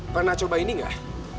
pernah coba ini gak